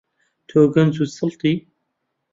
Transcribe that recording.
تۆ گەنج و سەڵتی.